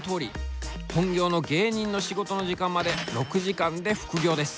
本業の芸人の仕事の時間まで６時間で副業です。